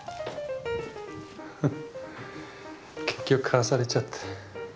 結局買わされちゃった。